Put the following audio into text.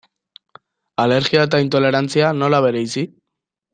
Alergia eta intolerantzia, nola bereizi?